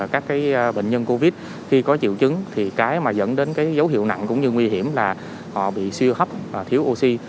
các bệnh nhân covid khi có triệu chứng thì cái mà dẫn đến cái dấu hiệu nặng cũng như nguy hiểm là họ bị siêu hấp thiếu oxy